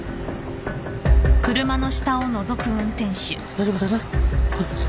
大丈夫だな？